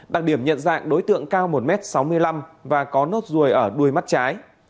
đặc điểm nhận dạng đối tượng cao một m sáu mươi năm và có nốt ruồi ở đuôi mắt trái